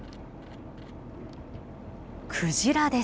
クジラです。